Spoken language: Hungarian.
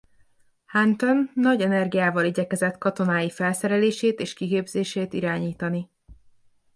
Hunton nagy energiával igyekezett katonái felszerelését és kiképzését irányítani.